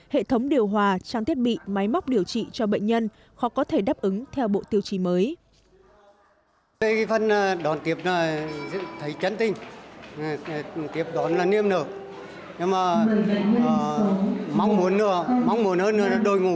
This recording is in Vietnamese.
hệ thống điều hòa trang thiết bị máy móc điều trị cho bệnh nhân khó có thể đáp ứng theo bộ tiêu chí mới